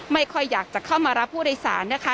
ไม่ค่อยอยากจะเข้ามารับผู้โดยสารนะคะ